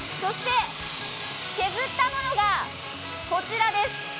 削ったものがこちらです。